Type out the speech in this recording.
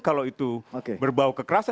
kalau itu berbau kekerasan